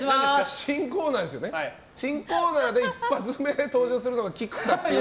新コーナーで１発目で登場するのが菊田っていう。